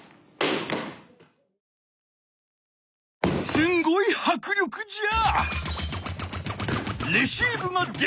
すごいはく力じゃ。